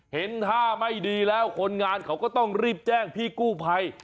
เห็นท่าไม่ดีแล้วคนงานเขาก็ต้องรีบแจ้งพี่กู้ภัย